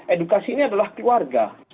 edukasi ini adalah keluarga